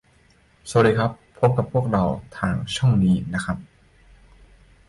สวัสดีครับ พบกับพวกเราทางช่องนี้นะครับ